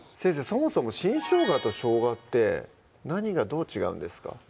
そもそも新生姜と生姜って何がどう違うんですか？